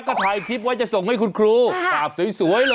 ก็ถ่ายคลิปไว้จะส่งให้คุณครูกราบสวยเลย